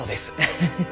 フフフ。